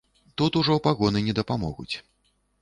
Тут ужо пагоны не дапамогуць.